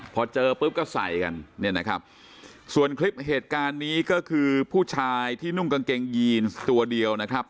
พอเจอปุ๊บก็ใส่กันเนี่ยนะครับส่วนคลิปเหตุการณ์นี้ก็คือผู้ชายที่นุ่งกางเกงยีนตัวเดียวนะครับ